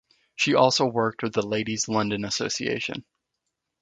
She also worked with the Ladies London Association.